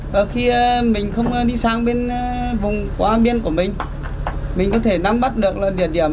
và khi mình không đi sang vùng qua biển của mình mình có thể nắm bắt được địa điểm